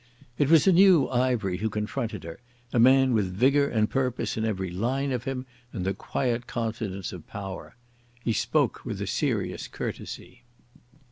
It was a new Ivery who confronted her, a man with vigour and purpose in every line of him and the quiet confidence of power. He spoke with a serious courtesy.